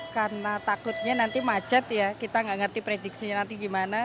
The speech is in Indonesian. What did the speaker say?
karena takutnya nanti macet ya kita nggak ngerti prediksinya nanti gimana